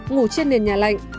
ngủ trên nền nhà lạnh